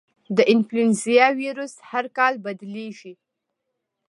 د انفلوېنزا وایرس هر کال بدلېږي.